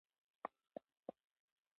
هغې یو په یو ټول بالښتونه په کوچ ترتیب کړل